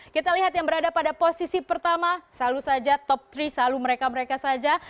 kita lihat yang berada pada posisi pertama selalu saja top tiga selalu mereka mereka saja